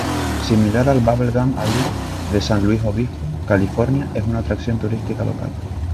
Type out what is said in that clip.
Similar al Bubblegum Alley de San Luis Obispo, California, es una atracción turística local.